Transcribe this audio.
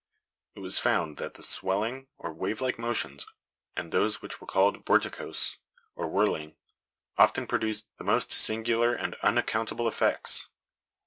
It was found that the swelling, or wave like motions, and those which were called vorticose, or whirling, often produced the most singular and unaccountable effects.